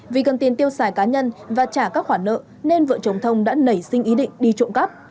vì cần tiền tiêu xài cá nhân và trả các khoản nợ nên vợ chồng thông đã nảy sinh ý định đi trộm cắp